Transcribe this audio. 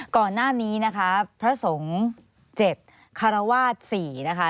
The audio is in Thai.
ก่อนหน้านี้นะคะพระสงฆ์๗คารวาส๔นะคะ